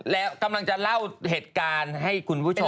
แล้วกำลังจะเล่าเหตุการณ์ให้คุณผู้ชม